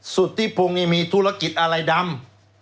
สุธิพงศ์นี่มีธุรกิจอะไรดำ